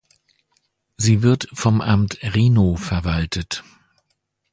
Sie wird vom Amt Rhinow verwaltet.